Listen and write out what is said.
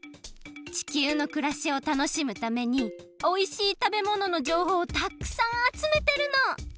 地球のくらしを楽しむためにおいしいたべもののじょうほうをたくさんあつめてるの！